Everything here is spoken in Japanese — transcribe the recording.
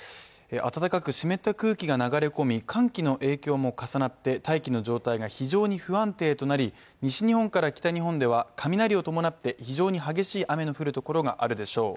暖かく湿った空気が流れ込み、寒気の影響も重なって、大気の状態が非常に不安定となり西日本から北日本では雷を伴って非常に激しい雨の降るところがあるでしょう。